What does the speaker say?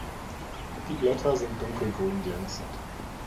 Die Blätter sind dunkel-grün glänzend.